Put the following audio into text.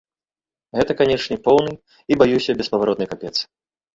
Гэта, канечне, поўны і, баюся, беспаваротны капец.